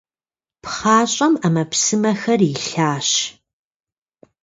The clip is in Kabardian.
ПхъащӀэм Ӏэмэпсымэхэр илъащ.